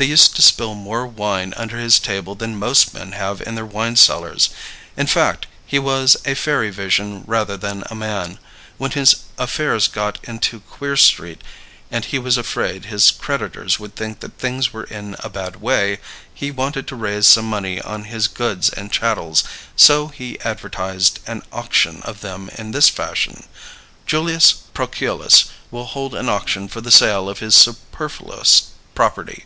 They used to spill more wine under his table than most men have in their wine cellars. In fact, he was a fairy vision rather than a man. When his affairs got into Queer Street and he was afraid his creditors would think that things were in a bad way, he wanted to raise some money on his goods and chattels; so he advertised an auction of them in this fashion: 'Julius Proculus will hold an auction for the sale of his superfluous property.'"